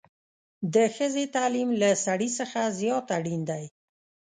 د ښځې تعليم له سړي څخه زيات اړين دی